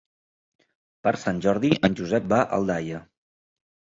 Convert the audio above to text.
Per Sant Jordi en Josep va a Aldaia.